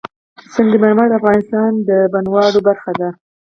سنگ مرمر د افغانستان د بڼوالۍ برخه ده.